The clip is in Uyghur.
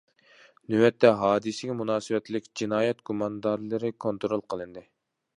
نۆۋەتتە، ھادىسىگە مۇناسىۋەتلىك جىنايەت گۇماندارلىرى كونترول قىلىندى.